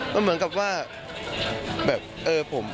มันเหมือนกับว่าแบบเออผม